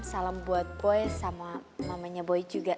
salam buat boy sama mamanya boy juga